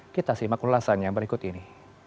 kita simak ulasannya berikut ini